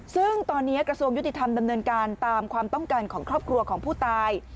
ซึ่งตอนนี้กระทรวงยุติธรรมดำเนินการตามความต้องการของครอบครัวของผู้ตาย